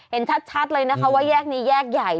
เห็นชัดเลยนะคะว่าแยกนี้แยกใหญ่